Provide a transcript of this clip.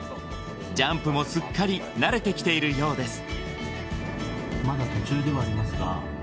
ジャンプもすっかり慣れてきているようです